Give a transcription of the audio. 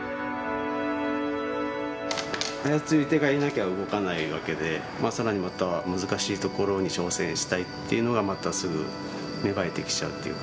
操り手がいなきゃ動かないわけで更にまた難しいところに挑戦したいっていうのがまたすぐ芽生えてきちゃうっていうか。